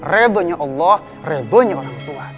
redha allah dan redha orang tua